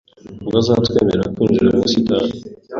Ntibazatwemerera kwinjira mu busitani .